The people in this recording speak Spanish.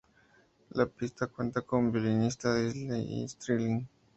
La pista cuenta con la violinista Lindsey Stirling.